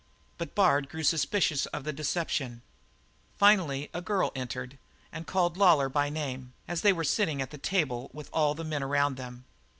But Bard grew suspicious of the deception. Finally a girl entered and called Lawlor by name, as they were sitting at the table with all the men around them.